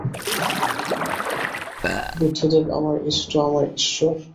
বুদ্ধদেব আমার ইষ্ট, আমার ঈশ্বর।